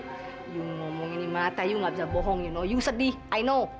anda mengatakan ini anda tidak bisa bohong anda sedih saya tahu